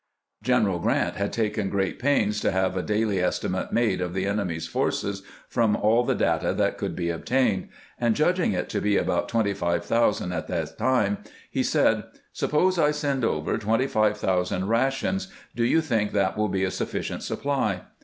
General Grant had taken great pains to have a daily estimate made of the enemy's forces from all the data that could be obtained, and judging it to be about 25,000 at this time, he said :" Suppose I send over 25,000 ra tions, do you think that wiU be a sufficient supply